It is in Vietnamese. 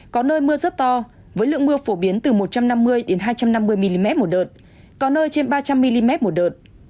có nơi mưa rất to với lượng mưa phổ biến từ một trăm năm mươi hai trăm năm mươi mm một đợt có nơi trên ba trăm linh mm một đợt